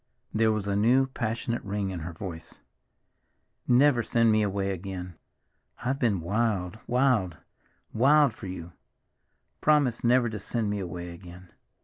There was a new, passionate ring in her voice. "Never send me away again. I've been wild, wild, wild for you! Promise never to send me away again.